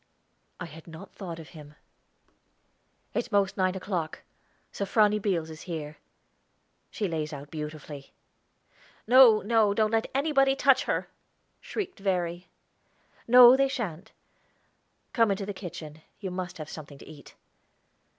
I had not thought of him. "It's most nine o'clock. Sofrony Beals is here; she lays out beautifully." "No, no; don't let anybody touch her!" shrieked Verry. "No, they shan't. Come into the kitchen; you must have something to eat."